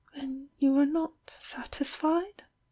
Ihen you are not satisfied?"